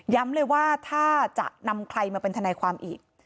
เลยว่าถ้าจะนำใครมาเป็นทนายความอีก